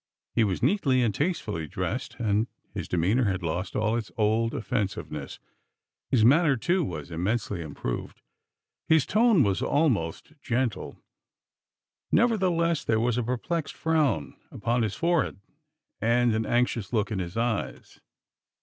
He was neatly and tastefully dressed, and his demeanor had lost all its old offensiveness. His manner, too, was immensely improved. His tone was almost gentle. Nevertheless, there was a perplexed frown upon his forehead and an anxious look in his eyes.